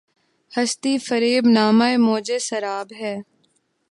ہستی‘ فریب نامۂ موجِ سراب ہے